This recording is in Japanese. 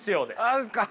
そうですか。